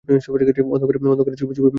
অন্ধকারে চুপি চুপি মেয়েদের দেখে?